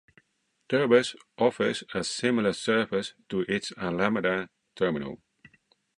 Turbus offers a similar service to its Alameda terminal.